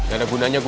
ah gue tau